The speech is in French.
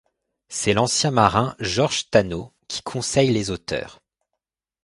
C'est l'ancien marin Georges Tanneau qui conseille les auteurs.